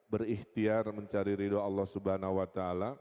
berikhtiar mencari ridho allah swt